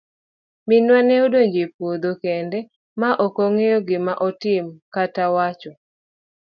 Minwa ne odong' e puodho kende ma okong'eyo gima otim kata wacho.